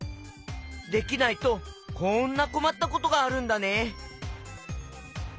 できないとこんなこまったことがあるんだね。